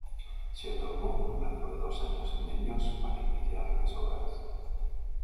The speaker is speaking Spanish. Se otorgó un plazo de dos años y medios para iniciar las obras.